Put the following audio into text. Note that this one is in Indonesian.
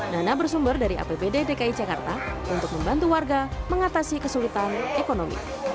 dana bersumber dari apbd dki jakarta untuk membantu warga mengatasi kesulitan ekonomi